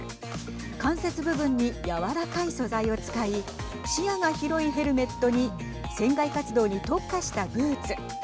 関節部分に柔らかい素材を使い視野が広いヘルメットに船外活動に特化したブーツ。